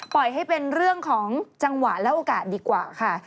ปล่อยให้เป็นเรื่องของจังหวะและโอกาสดีกว่าค่ะ